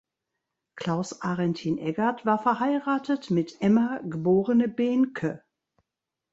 Klaus Aretin Eggert war verheiratet mit Emma geborene Behncke.